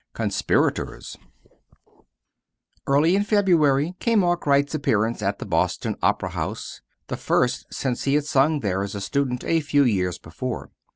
CONSPIRATORS Early in February came Arkwright's appearance at the Boston Opera House the first since he had sung there as a student a few years before.